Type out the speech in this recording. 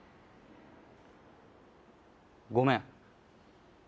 ごめん。